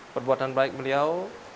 perbuatan baik beliau